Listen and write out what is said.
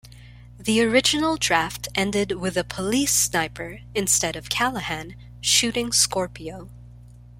The original draft ended with a police sniper, instead of Callahan, shooting Scorpio.